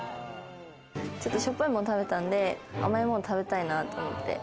しょっぱいもの食べたんで、甘いもの食べたいなと思って。